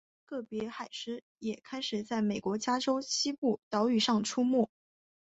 个别海狮也开始在美国加州西部岛屿上出没。